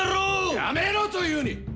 やめろと言うに！